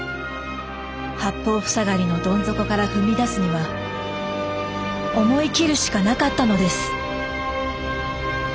八方塞がりのどん底から踏み出すには思い切るしかなかったのです。